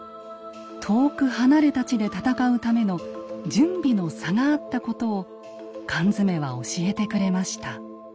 遠く離れた地で戦うための準備の差があったことを缶詰は教えてくれました。